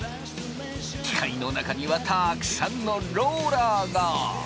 機械の中にはたくさんのローラーが！